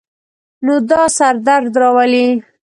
نو دا سر درد راولی